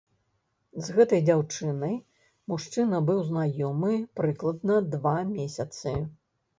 З гэтай дзяўчынай мужчына быў знаёмы прыкладна два месяцы.